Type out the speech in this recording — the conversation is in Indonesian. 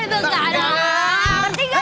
kalau tiada artinya